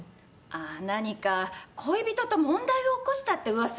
あ何か恋人と問題を起こしたって噂を聞いて。